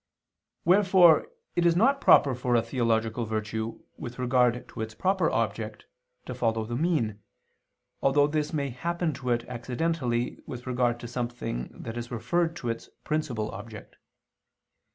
Wherefore it is not proper for a theological virtue, with regard to its proper object, to follow the mean, although this may happen to it accidentally with regard to something that is referred to its principal object.